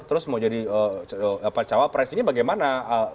terus mau jadi cawa presidennya bagaimana